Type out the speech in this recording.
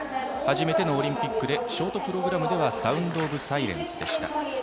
初めてのオリンピックでショートプログラムでは「サウンド・オブ・サイレンス」でした。